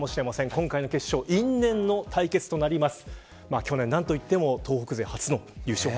今回の決勝因縁の対決となります。